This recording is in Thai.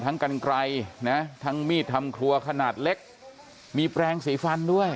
กันไกลนะทั้งมีดทำครัวขนาดเล็กมีแปลงสีฟันด้วย